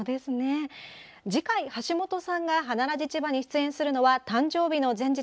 次回、橋本さんが「花ラジちば」に出演するのは誕生日の前日